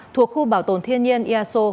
thuộc khu bảo tồn thiên nhiên iaso